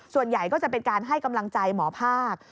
ส่วนใหญ่ก็จะเป็นการให้กำลังใจหมอภาค